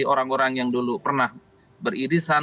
orang orang yang dulu pernah beririsan